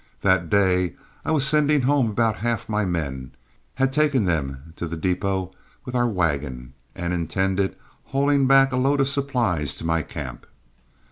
That day I was sending home about half my men, had taken them to the depot with our wagon, and intended hauling back a load of supplies to my camp.